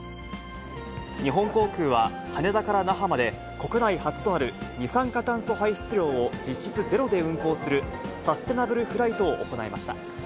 日本航空は、羽田から那覇まで国内初となる二酸化炭素排出量を実質ゼロで運航するサステナブルフライトを行いました。